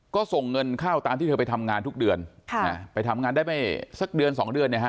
ก็ส่งเงินเข้าตามที่เธอไปทำงานทุกเดือนไปทำงานได้ไม่สักเดือนสองเดือนเนี่ยฮะ